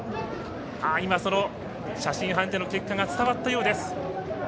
その写真判定の結果が伝わったようです。